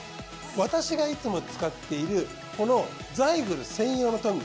私がいつも使っているこのザイグル専用のトング。